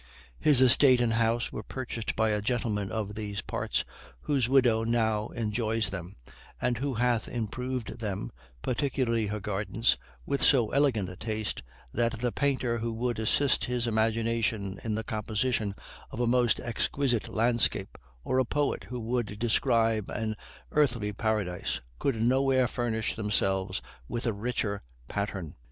His estate and house were purchased by a gentleman of these parts, whose widow now enjoys them, and who hath improved them, particularly her gardens, with so elegant a taste, that the painter who would assist his imagination in the composition of a most exquisite landscape, or the poet who would describe an earthly paradise, could nowhere furnish themselves with a richer pattern.